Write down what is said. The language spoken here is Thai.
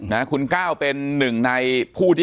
ปากกับภาคภูมิ